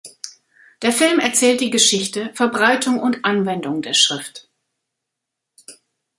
Der Film erzählt die Geschichte, Verbreitung und Anwendung der Schrift.